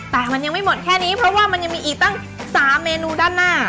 แต่มันยังไม่หมดแค่นี้เพราะว่ามันยังมีอีกตั้ง๓เมนูด้านหน้า